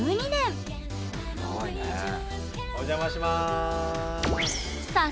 お邪魔します。